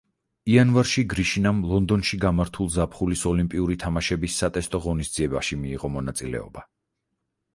იანვარში გრიშინამ ლონდონში გამართულ ზაფხულის ოლიმპიური თამაშების სატესტო ღონისძიებაში მიიღო მონაწილეობა.